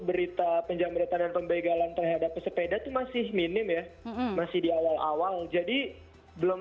berita penjamboran dan pembegalan terhadap sepeda itu masih minim ya masih diawal awal jadi belum